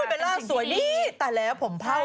อุ้ยแบลล่าสวยดีแต่แล้วผมเผ่านัง